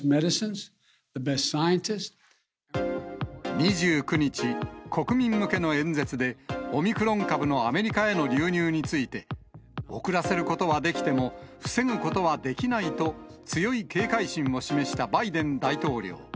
２９日、国民向けの演説で、オミクロン株のアメリカへの流入について、遅らせることはできても、防ぐことはできないと、強い警戒心を示したバイデン大統領。